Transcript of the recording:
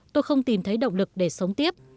tôi không tìm thấy động lực để sống tiếp